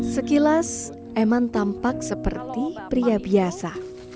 sekilas eman tampak seperti pria biasa